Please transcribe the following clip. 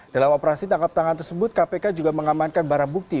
dalam operasi tangkap tangan tersebut kpk juga mengamankan barang bukti